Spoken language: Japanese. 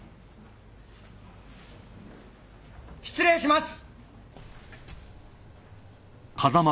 失礼します。